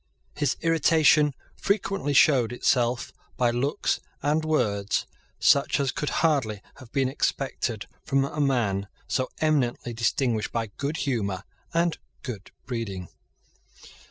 His irritation frequently showed itself by looks and words such as could hardly have been expected from a man so eminently distinguished by good humour and good breeding.